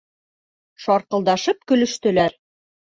Шарҡылдашып көлөштөләр.